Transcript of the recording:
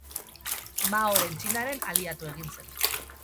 Maoren Txinaren aliatu egin zen.